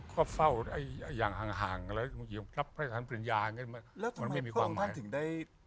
ก็เฝ้าอย่างห่างห่างแล้วยังรับให้ท่านปริญญาอย่างงี้มันมันไม่มีความแล้วทำไมพระองค์ท่านถึงได้